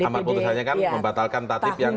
amat keputusannya kan membatalkan tatib yang